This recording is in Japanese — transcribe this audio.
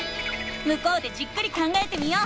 向こうでじっくり考えてみよう。